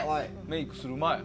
メイクする前。